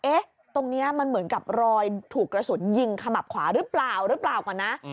เอ๊ะตรงนี้มันเหมือนกับรอยถูกกระสุนยิงขมับขวาหรือเปล่าก่อนนะ